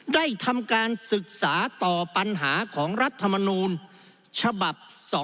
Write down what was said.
ได้ทำการศึกษาต่อปัญหาของรัฐมนูลฉบับ๒